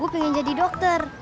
kemana itu dulu yaa